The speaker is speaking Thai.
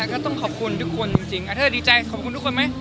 ก็ต้องขอบคุณทุกคนจริงถ้าดีใจขอบคุณทุกคนไหม